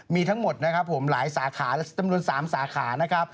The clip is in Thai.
มีทั้งหมดหลายสาขาและสำนวน๓สาขา